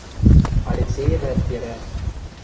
– Алексеевӓт йӹрӓ.